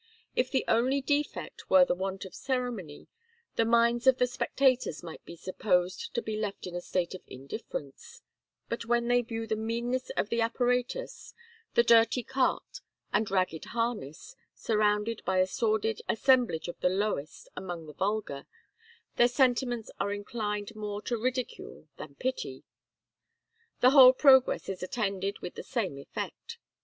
If the only defect were the want of ceremony, the minds of the spectators might be supposed to be left in a state of indifference; but when they view the meanness of the apparatus, the dirty cart and ragged harness, surrounded by a sordid assemblage of the lowest among the vulgar, their sentiments are inclined more to ridicule than pity. The whole progress is attended with the same effect.